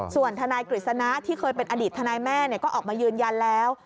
ส่วนทนายกฤษณะที่เคยเป็นอดีตทนายแม่ก็ออกมายืนยันแล้ว